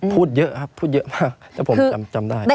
พูดเยอะครับพูดเยอะมากถ้าผมจำได้